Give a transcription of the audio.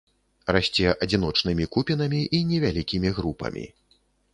Расце адзіночнымі купінамі і невялікімі групамі.